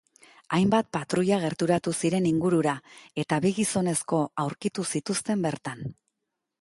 Hainbat patruila gerturatu ziren ingurura, eta bi gizonezko aurkitu zituzten bertan.